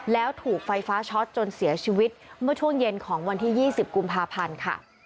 แล้วถูกไฟฟ้าช็อตจนเสียชีวิตเมื่อช่วงเย็นของวันที่๒๐กุมภาพันธ์ค่ะ